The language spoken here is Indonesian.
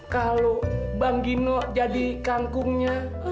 kalau bang gino jadi kangkungnya